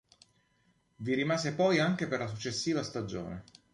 Vi rimase poi anche per la successiva stagione.